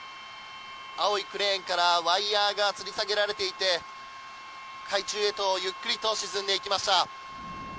青いクレーンからワイヤがつり下げられていて海中へとゆっくりと沈んでいきました。